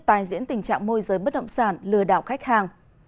tài diễn tình trạng môi giới bất động sản lừa đảo khách hàng